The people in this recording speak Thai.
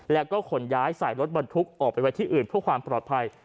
แล้วก็ขนย้ายใส่รถบรรทุกออกไปไว้ที่อื่นเพื่อความปลอดภัย